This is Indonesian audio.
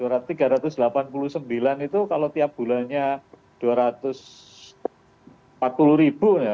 berarti tiga ratus delapan puluh sembilan itu kalau tiap bulannya dua ratus empat puluh ribu ya